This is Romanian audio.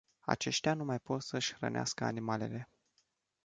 Aceștia nu mai pot să își hrănească animalele.